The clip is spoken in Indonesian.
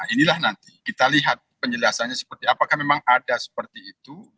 inilah nanti kita lihat penjelasannya seperti apakah memang ada seperti itu